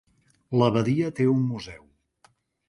L'abadia té un museu.